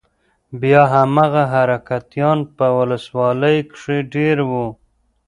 بيا هماغه حرکتيان په ولسوالۍ کښې دېره وو.